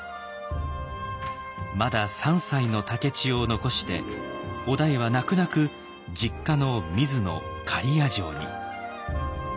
まだ３歳の竹千代を残して於大は泣く泣く実家の水野刈谷城に。